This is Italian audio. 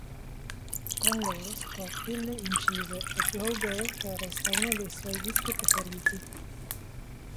Con loro Scofield incise "A Go Go", che resta uno dei suoi dischi preferiti.